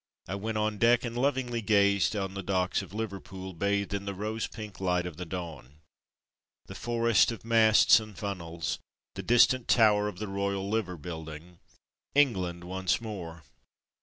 I went on deck, and lovingly gazed on the docks of Liverpool, bathed in the rose pink light of the dawn. The forest of masts and funnels, the distant tower of the Royal Liver building ! England once more